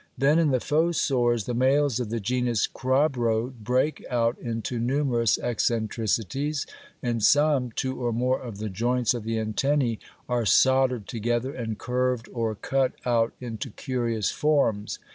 Then in the fossors the males of the genus Crabro break out into numerous eccentricities; in some, two or more of the joints of the antennæ are soldered together and curved or cut out into curious forms (fig.